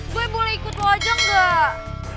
gue boleh ikut lo aja gak